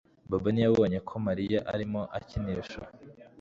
Bobo ntiyabonye ko Mariya arimo akinisha